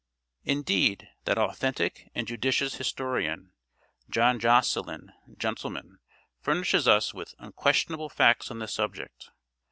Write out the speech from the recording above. " Indeed, that authentic and judicious historian, John Josselyn, gent., furnishes us with unquestionable facts on this subject.